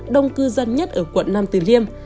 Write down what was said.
đông cư dân nhất ở quận nam từ liêm